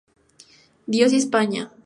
Dios y España.